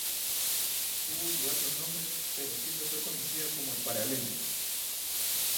Tuvo diversos nombres, pero siempre fue conocida como el Paralelo.